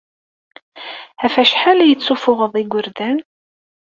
Ɣef wacḥal ay tessuffuɣeḍ igerdan?